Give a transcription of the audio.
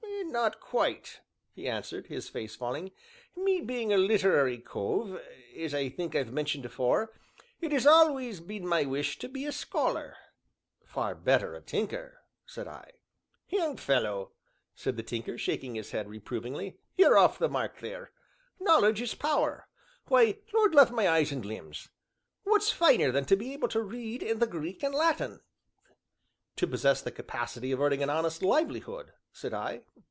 "Not quite," he answered, his face falling; "me being a literary cove (as I think I've mentioned afore), it has always been my wish to be a scholar." "Far better be a tinker," said I. "Young fellow," said the Tinker, shaking his head reprovingly, "you're off the mark there knowledge is power; why, Lord love my eyes and limbs! what's finer than to be able to read in the Greek and Latin?" "To possess the capacity of earning an honest livelihood," said I.